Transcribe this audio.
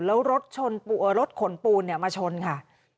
แล้วรถขนปูนมาชนค่ะ